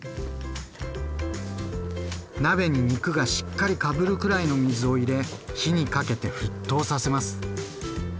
鍋に肉がしっかりかぶるくらいの水を入れ火にかけて沸騰させます。